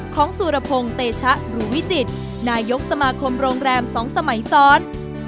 ของสุรพงษ์เตชะรุวิจิตรนายกสมาคมโรงแรมสองสมัยซ้อน